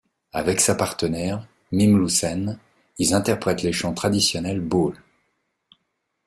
Avec sa partenaire, Mimlu Sen, ils interprètent les chants traditionnels bâuls.